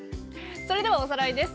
それではおさらいです。